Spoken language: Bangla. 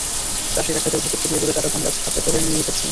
চাষিরা খেতের ভেতর থেকে ইঁদুরে কাটা ধানগাছ হাতে করে নিয়ে আসছেন।